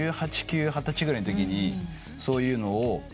１８１９二十歳ぐらいのときにそういうのを。